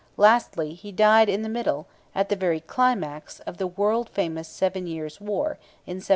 Lastly, he died in the middle, at the very climax, of the world famous Seven Years' War, in 1759.